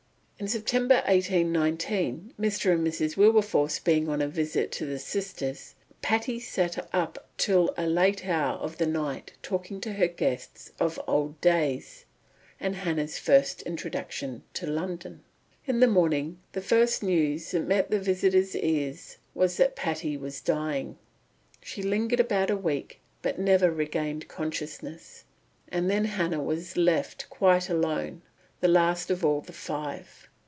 In September 1819, Mr. and Mrs. Wilberforce being on a visit to the sisters, Patty sat up till a late hour of the night talking to her guests of old days, and Hannah's first introduction to London. In the morning the first news that met the visitors' ears was that Patty was dying. She lingered about a week, but never regained consciousness, and then Hannah was left quite alone, the last of all the five.